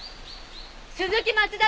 鈴木松田